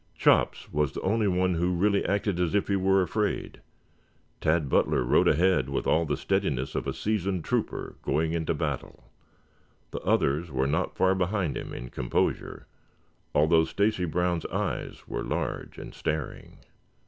Chops was the only one who really acted as if he were afraid. Tad Butler rode ahead with all the steadiness of a seasoned trooper going into battle. The others were not far behind him in composure, though Stacy Brown's eyes were large and staring.